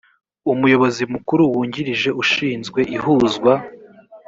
umuyobozi mukuru wungirije ushinzwe ihuzwa